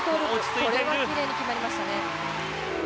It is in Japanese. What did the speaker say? これはきれいに決まりましたね。